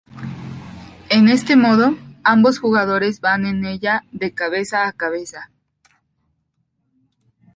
En este modo, ambos jugadores van en ella de cabeza a cabeza.